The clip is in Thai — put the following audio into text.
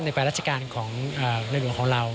ไปราชการของในหลวงของเรา